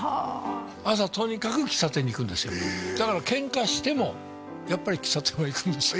朝とにかく喫茶店に行くんですよだからケンカしてもやっぱり喫茶店は行くんですよ